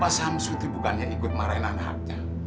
pak samsu itu bukannya ikut marahin anaknya